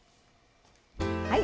はい。